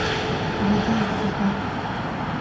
বিদায়, খোকা।